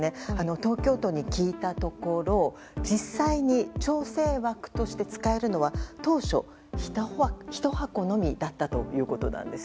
東京都に聞いたところ実際に調整枠として使えるのは当初、１箱のみだったということなんです。